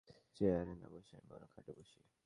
চেয়ারে না-বসে আমি বরং খাটে বসি।